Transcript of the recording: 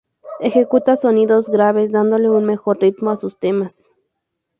Ejecuta sonidos graves, dándole un mejor ritmo a sus temas.